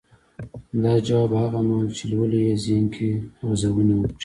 دا ځواب به هغه مهال چې لولئ يې ذهن کې غځونې وکړي.